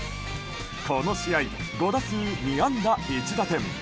この試合、５打数２安打１打点。